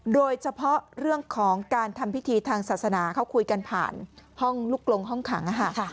โดยเฉพาะเรื่องของการทำพิธีทางศาสนาเขาคุยกันผ่านห้องลูกลงห้องขัง